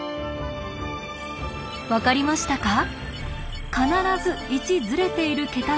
分かりましたか？